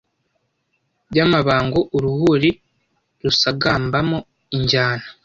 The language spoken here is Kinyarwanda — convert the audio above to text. Y’amabango uruhuri Rusagamba mo injyana